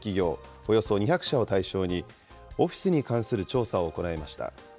およそ２００社を対象に、オフィスに関する調査を行いました。